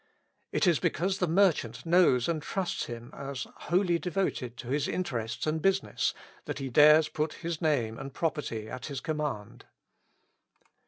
It is because the merchant knows and trusts him as wholly devoted to his interests and business, that he dares put his name and property at his command.